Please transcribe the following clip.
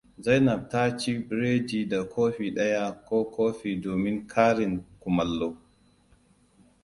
Zainab ta ci bireda da kofi ɗaya ka koffi domin karin kumallo.